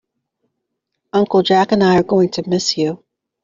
Uncle Jack and I are going to miss you.